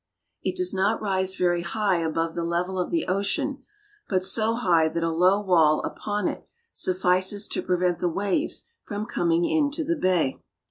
It does not rise very high above the level of the ocean, but so high that a low wall upon it suffices to prevent the waves from coming into the bay.